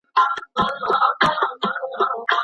ولي کوښښ کوونکی د تکړه سړي په پرتله ښه ځلېږي؟